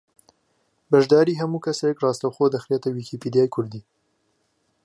بەشداریی ھەموو کەسێک ڕاستەوخۆ دەخرێتە ویکیپیدیای کوردی